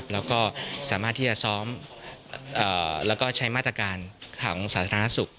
แล้วก็สามารถที่จะซ้อมแล้วก็ใช้มาตรการทางสาธารณสุข